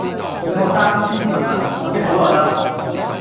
女學生，斯斯文文，等你好耐喇